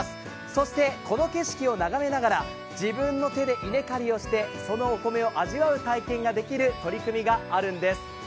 そして、この景色を眺めながら自分の手で稲刈りをしてそのお米を味わう体験ができる取り組みがあるんです。